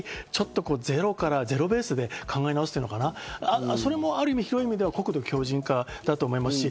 ここで１回ゼロベースで考え直すというのかな、それもある意味、広い意味では国土強靱化だと思います。